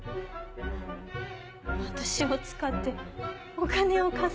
私を使ってお金を稼いで